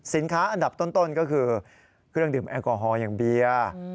อันดับต้นก็คือเครื่องดื่มแอลกอฮอลอย่างเบียร์